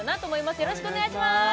よろしくお願いします